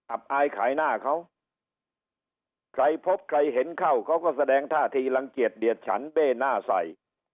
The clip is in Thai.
อายขายหน้าเขาใครพบใครเห็นเข้าเขาก็แสดงท่าทีรังเกียจเดียดฉันเบ้หน้าใส่